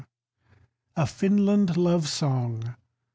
A FINLAND LOVE SONG.